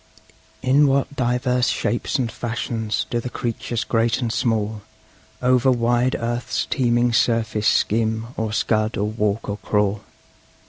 In what divers shapes and fashions do the creatures great and small Over wide earth's teeming surface skim, or scud, or walk, or crawl!